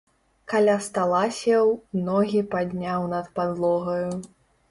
Каля стала сеў, ногі падняў над падлогаю.